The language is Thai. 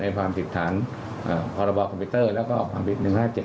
ความผิดฐานพรบคอมพิวเตอร์แล้วก็ความผิด๑๕๗